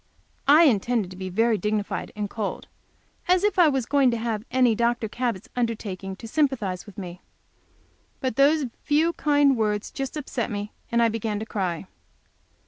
I intended to be very dignified and cold. As if I was going to have any Dr. Cabot's undertaking to sympathize with me! But those few kind words just upset me, and I began to cry.